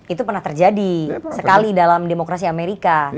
itu pernah terjadi sekali dalam demokrasi amerika